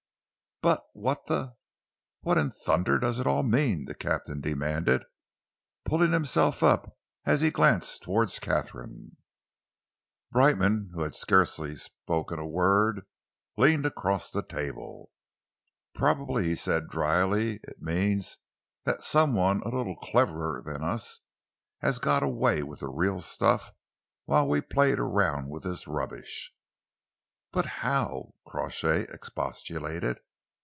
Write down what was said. "But what the what in thunder does it all mean?" the captain demanded, pulling himself up as he glanced towards Katharine. Brightman, who had scarcely spoken a word, leaned across the table. "Probably," he said drily, "it means that some one a little cleverer than us has got away with the real stuff whilst we played around with this rubbish." "But how?" Crawshay expostulated.